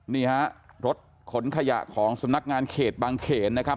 นี่ฮะรถขนขยะของสำนักงานเขตบางเขนนะครับ